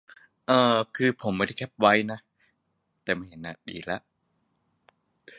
ไม่ได้แคปไว้ แต่ไม่เห็นอะดีแล้ว